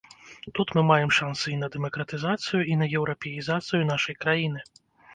Тут мы маем шанцы і на дэмакратызацыю, і на еўрапеізацыю нашай краіны.